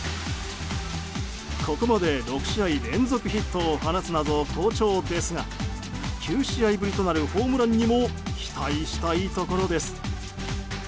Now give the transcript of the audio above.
ここまで６試合連続ヒットを放つなど好調ですが９試合ぶりとなるホームランにも期待したいところです。